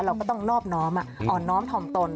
เราก็ต้องนอบน้อมอ่อนน้อมถ่อมตน